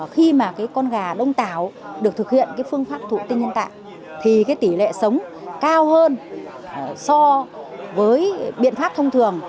khi mà con gà đông tảo được thực hiện phương pháp thủ tinh nhân tại thì tỷ lệ sống cao hơn so với biện pháp thông thường